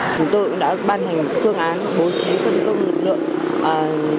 chúng tôi đã ban hành phương án bố trí phân luồng lực lượng